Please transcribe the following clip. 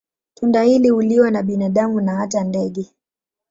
Tunda hili huliwa na binadamu na hata ndege.